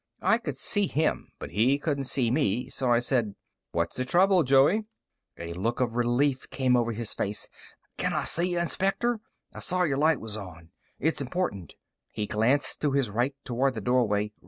I could see him, but he couldn't see me, so I said: "What's the trouble, Joey?" A look of relief came over his face. "Can I see ya, Inspector? I saw your light was on. It's important." He glanced to his right, toward the doorway.